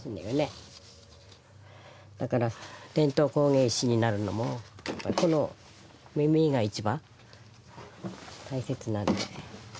だから伝統工芸士になるのもこのみみが一番大切なんで。